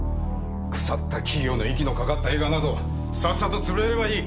腐った企業の息のかかった映画などさっさと潰れればいい。